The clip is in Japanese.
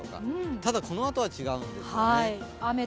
ただこのあとは、違うんですよね。